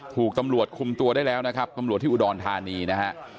ถูกตำรวจคุมตัวได้แล้วนะครับตำรวจที่อุดรธานีนะฮะ